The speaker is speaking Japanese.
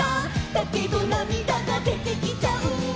「だけどなみだがでてきちゃう」